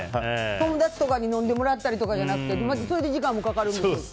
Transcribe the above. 友達とかに飲んでもらったりとかじゃなくてそれで時間もかかるでしょうし。